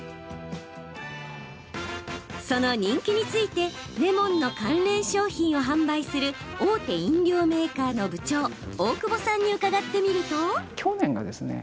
その人気についてレモンの関連商品を販売する大手飲料メーカーの部長大久保さんに伺ってみると。